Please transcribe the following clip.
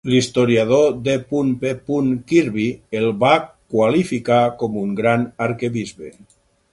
L'historiador D. P. Kirby el va qualificar com un "gran" arquebisbe.